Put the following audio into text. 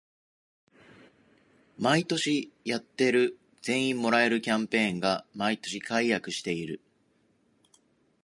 毎年やってる全員もらえるキャンペーンが毎年改悪してる